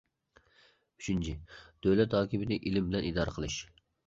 ئۈچىنچى، دۆلەت ھاكىمىيىتىنى ئىلىم بىلەن ئىدارە قىلىش.